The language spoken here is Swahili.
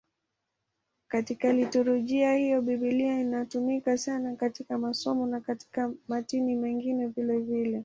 Katika liturujia hiyo Biblia inatumika sana katika masomo na katika matini mengine vilevile.